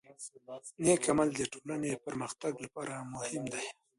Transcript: نیک عمل د ټولنې د پرمختګ لپاره مهم دی.